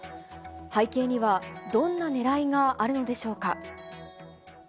背景には、どんなねらいがあるのでしょうか。